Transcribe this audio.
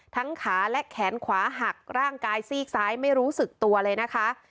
ขาและแขนขวาหักร่างกายซีกซ้ายไม่รู้สึกตัวเลยนะคะ